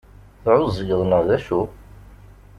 Teɛɛuẓgeḍ neɣ d acu?